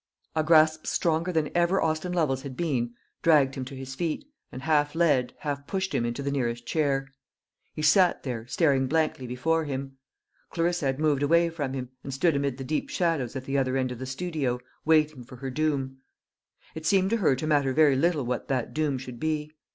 A grasp stronger than ever Austin Lovel's had been, dragged him to his feet, and half led, half pushed him into the nearest chair. He sat there, staring blankly before him. Clarissa had moved away from him, and stood amid the deep shadows at the other end of the studio, waiting for her doom. It seemed to her to matter very little what that doom should be.